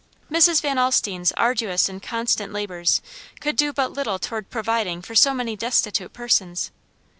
Mrs. Van Alstine's arduous and constant labors could do but little toward providing for so many destitute persons.